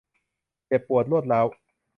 เจ็บปวดรวดร้าว